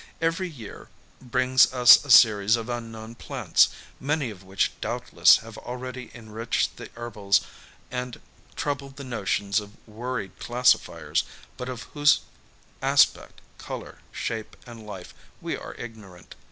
Eveiy year brings us a series of unknown plants, many of which doubtless have already enriched the herbals and troubled the notions of worried classifiers, but of whose aspect, colour, shape, and life we are ignorant.